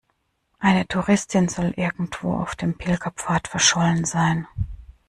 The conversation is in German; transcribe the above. Eine Touristin soll irgendwo auf dem Pilgerpfad verschollen sein.